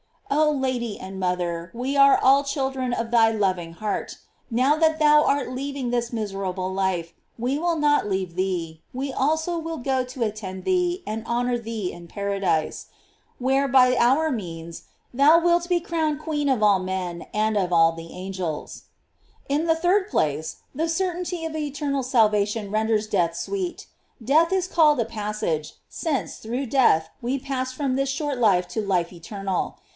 Oh Lady and mother, we are all children of thy loving heart; now that thou art leaving this miserable life, we will not leave thee, we also will go to attend thee and honor * Cant. ir. T. 480 GLOKIES OF MARY thee in paradise, where, by our means, tbou wilt be crowned queen of all men and of all the angels. In the third place, the certainty of eternal sal vation renders death sweet. Death is called a passage, since, through death we pass from this short life to life eternal.